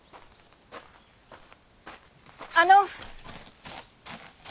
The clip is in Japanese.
あの！